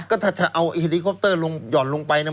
ก็ถ้าเอาเฮลิคอปเตอร์หย่อนลงไปเนี่ย